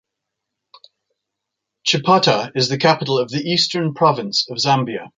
Chipata is the capital of the Eastern Province of Zambia.